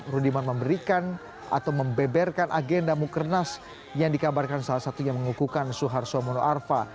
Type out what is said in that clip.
rudiman memberikan atau membeberkan agenda mukernas yang dikabarkan salah satunya mengukuhkan suharto mono arfa